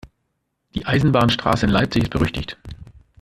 Die Eisenbahnstraße in Leipzig ist berüchtigt.